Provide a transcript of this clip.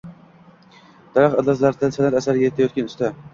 Daraxt ildizlaridan sanʼat asari yaratayotgan usta